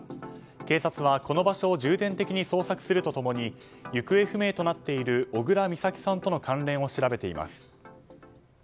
警察は、この場所を重点的に捜索すると共に行方不明となっている小倉美咲さんとの関連を調べています。